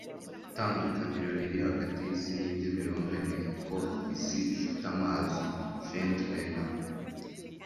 itandukaniro riri hagati yisi nindi mibumbe ni uko isi ifite amazi. (feudrenais